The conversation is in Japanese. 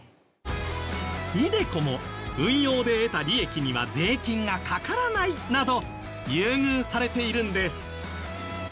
ｉＤｅＣｏも運用で得た利益には税金がかからないなど優遇されているんです。